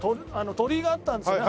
鳥居があったんですよね